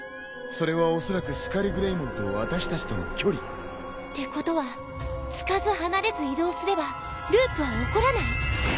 それはおそらくスカルグレイモンと私たちとの距離。ってことは付かず離れず移動すればループは起こらない？だっは！